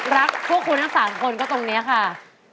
รักพวกคุณทั้ง๓คนก็ตรงนี้ค่ะ